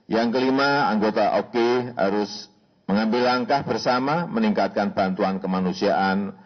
yang kelima anggota oki harus mengambil langkah bersama meningkatkan bantuan kemanusiaan